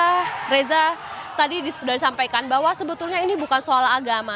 karena reza tadi sudah disampaikan bahwa sebetulnya ini bukan soal agama